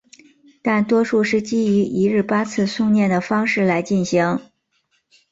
但大多是基于一日八次诵念的方式来进行。